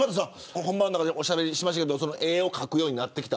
本番の中でおしゃべりしましたけど絵を描くようになってきた。